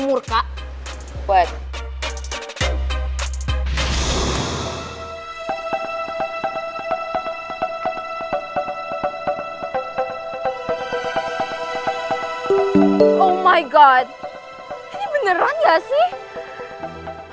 oh my god ini beneran gak sih